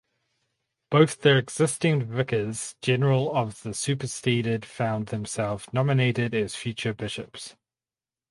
Both the existing vicars general of the superseded found themselves nominated as future bishops.